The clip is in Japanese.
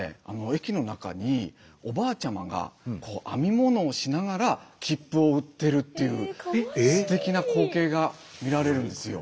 駅の中におばあちゃまが編み物をしながら切符を売ってるっていうすてきな光景が見られるんですよ。